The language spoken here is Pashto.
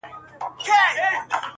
په غونډې د عرفات ساقی ولاړ دې